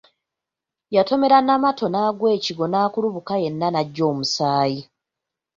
Yatomera Namaato n'agwa ekigwo n'akulubuka yenna n'ajja n'omusaayi.